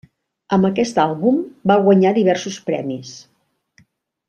Amb aquest àlbum va guanyar diversos premis.